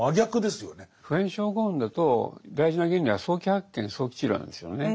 普遍症候群だと大事な原理は早期発見早期治療なんですよね。